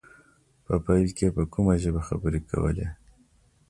په پيل کې يې په کومه ژبه خبرې کولې.